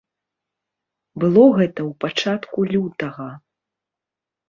Было гэта ў пачатку лютага.